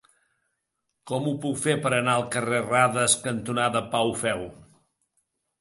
Com ho puc fer per anar al carrer Radas cantonada Pau Feu?